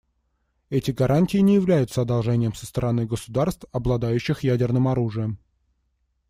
Эти гарантии не являются одолжением со стороны государств, обладающих ядерным оружием.